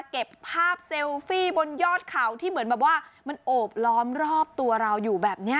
เก็บภาพเซลฟี่บนยอดเขาที่เหมือนแบบว่ามันโอบล้อมรอบตัวเราอยู่แบบนี้